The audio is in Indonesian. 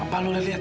apa lo udah liat